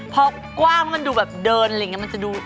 พอกว้างแล้วมันดูแบบเดินอะไรอย่างนี้มันจะดู